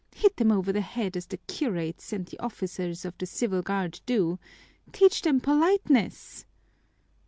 Hit them over the head as the curates and the officers of the Civil Guard do teach them politeness!"